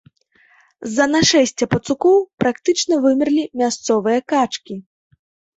З-за нашэсця пацукоў практычна вымерлі мясцовыя качкі.